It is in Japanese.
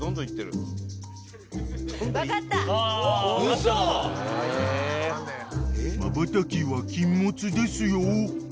［まばたきは禁物ですよ］